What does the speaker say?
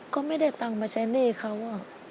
ก็ไม่ได้ตังค์มาใช้หนี้เขา